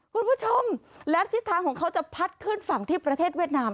คุณผู้ชมและทิศทางของเขาจะพัดขึ้นฝั่งที่ประเทศเวียดนาม